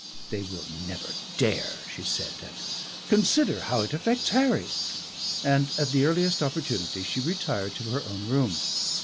"They will never dare " she said, and "Consider how it affects Harry!" and at the earliest opportunity she retired to her own room.